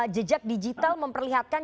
jejak digital memperlihatkan